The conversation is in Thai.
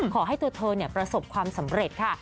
ขอให้ตัวเธอประสบความสำเร็จค่ะ